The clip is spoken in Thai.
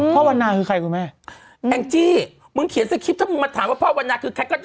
วันนาคือใครคุณแม่แองจี้มึงเขียนสคริปต์ถ้ามึงมาถามว่าพ่อวันนาคือใครก็